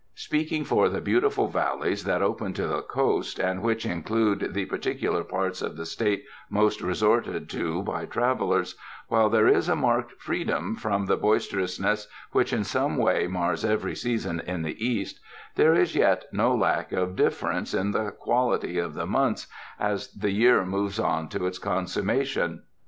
Speaking for the beau tiful valleys that open to the coast, and which in clude the particular parts of the State most resorted to by travelers, while there is a marked freedom from the boisterousness which in some way mars every season in the East, there is yet no lack of dif ference in the quality of the months, as the year moves on to its consummation.